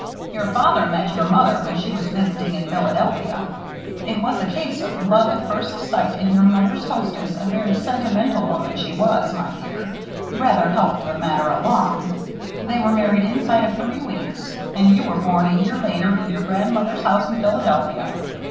Your father met your mother when she was visiting in Philadelphia. It was a case of love at first sight and your mother's hostess, a very sentimental woman she was, my dear, rather helped the matter along. They were married inside of three weeks; and you were born a year later in your grandmother's house in Philadelphia.